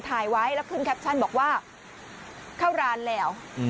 ถ่ายไว้แล้วขึ้นแคปชั่นบอกว่าเข้าร้านแล้ว